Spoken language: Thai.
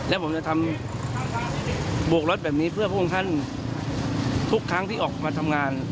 และผมจะทำบวกรถแบบนี้เพื่อพระองค์ท่านทุกครั้งที่ออกมาทำงาน